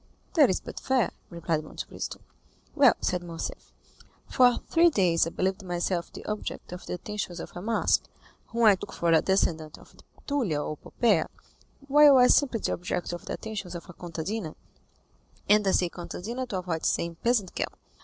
"That is but fair," replied Monte Cristo. "Well," said Morcerf, "for three days I believed myself the object of the attentions of a masque, whom I took for a descendant of Tullia or Poppæa, while I was simply the object of the attentions of a contadina, and I say contadina to avoid saying peasant girl.